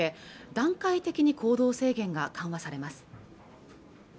段階的に行動制限が緩和されます